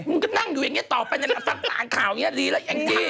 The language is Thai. มึงก็นั่งอยู่อย่างนี้ต่อไปฟังข่าวอย่างนี้ดีแล้วอย่างนี้